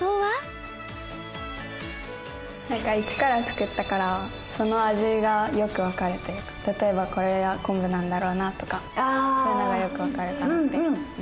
何か一から作ったからその味がよく分かるというか例えばこれは昆布なんだろうなとかそういうのがよく分かるかなって思いました。